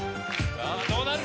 さぁどうなる？